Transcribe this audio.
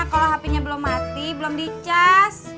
kalau hpnya belum mati belum dicas